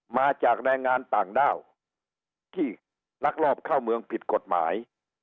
มาจากแรงงานต่างด้าวที่ลักลอบเข้าเมืองผิดกฎหมาย